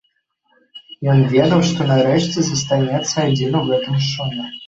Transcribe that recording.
Ён ведаў, што нарэшце застанецца адзін у гэтым шуме.